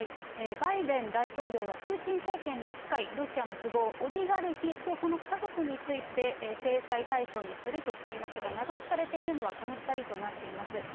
バイデン大統領はプーチン政権に近いロシアの富豪、オリガルヒとその家族について、制裁対象にするとしていますが、名指しされているのはこの２人となっています。